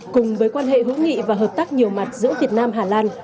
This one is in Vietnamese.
cùng với quan hệ hữu nghị và hợp tác nhiều mặt giữa việt nam hà lan